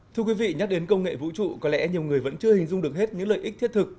thưa quý vị nhắc đến công nghệ vũ trụ có lẽ nhiều người vẫn chưa hình dung được hết những lợi ích thiết thực